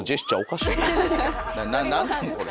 何なんこれ。